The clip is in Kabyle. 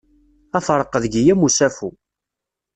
Ad tṛeq deg-i am usafu.